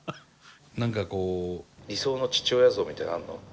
何かこう理想の父親像みたいなのあんの？